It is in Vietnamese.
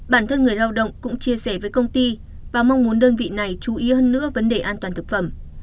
bản thân người lao động cũng chia sẻ với công ty và mong muốn đơn vị này chú ý hơn nữa vấn đề an toàn thực phẩm